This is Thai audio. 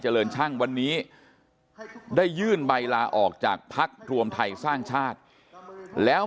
เลินช่างวันนี้ได้ยื่นใบลาออกจากพักรวมไทยสร้างชาติแล้ว